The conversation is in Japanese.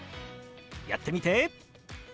やってみて！